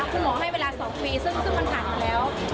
คุณหมอให้เวลา๒ปีซึ่งมันผ่านมาแล้ว